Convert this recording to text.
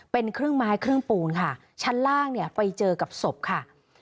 เป็นครึ่งไม้ครึ่งปูนค่ะชั้นล่างเนี่ยไปเจอกับศพค่ะ